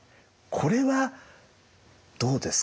これはどうですか？